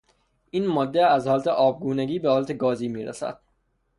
این ماده از حالت آبگونگی به حالت گازی میرسد.